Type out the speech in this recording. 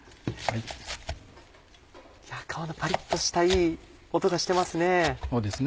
皮のパリっとしたいい音がしてますね。